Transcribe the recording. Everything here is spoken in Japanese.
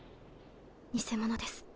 偽者です。